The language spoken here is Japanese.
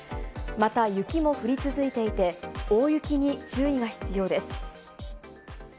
また、雪も降り続いていて、大雪に注意が必要です。